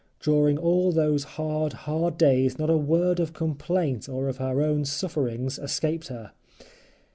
During all those hard, hard days not a word of complaint or of her own sufferings escaped her.